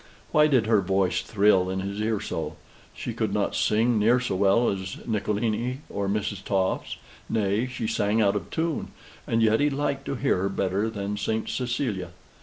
Why did her voice thrill in his ear so? She could not sing near so well as Nicolini or Mrs. Tofts; nay, she sang out of tune, and yet he liked to hear her better than St. Cecilia.